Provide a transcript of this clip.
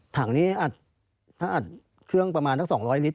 ถังนี้ถ้าอัดเครื่องประมาณสัก๒๐๐ลิตร